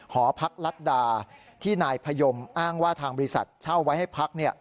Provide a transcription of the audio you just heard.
หอพักรัฐดาที่นายพยมอ้างว่าทางบริษัทเช่าไว้ให้พัก